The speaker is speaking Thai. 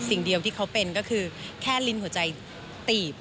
สิ่งเดียวที่เขาเป็นก็คือแค่ลิ้นหัวใจตีบ